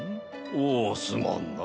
おおすまんな。